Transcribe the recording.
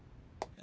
え？